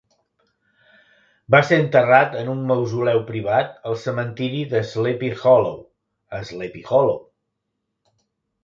Va ser enterrat en un mausoleu privat al cementiri de Sleepy Hollow, a Sleepy Hollow.